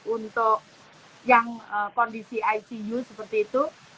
untuk yang kondisi icu seperti itu